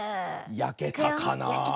やけたかな。